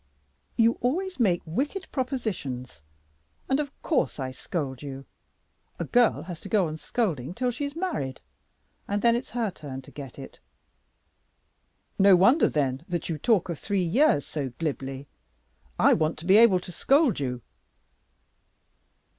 "You always make wicked propositions, and of course I scold you. A girl has to go on scolding till she's married, and then it's her turn to get it." "No wonder, then, that you talk of three years so glibly. I want to be able to scold you."